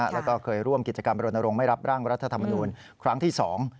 แล้วก็เคยร่วมกิจกรรมบรณรงค์ไม่รับร่างรัฐธรรมนูลครั้งที่สอง